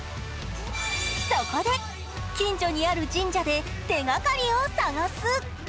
そこで、近所にある神社で手がかりを探す。